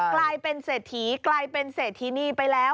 กลายเป็นเศรษฐีกลายเป็นเศรษฐีนีไปแล้ว